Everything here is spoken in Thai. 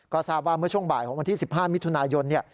ก็ทราบว่าเมื่อช่วงบ่ายของวันที่๑๕มิถุนายน